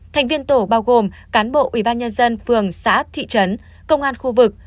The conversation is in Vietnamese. thành viên tổ bao gồm cán bộ ubnd phường xã thị trấn công an khu vực